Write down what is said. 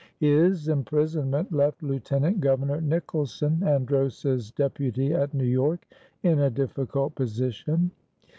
His imprisonment left Lieutenant Governor Nicholson, Andros's deputy at New York, in a difficult position.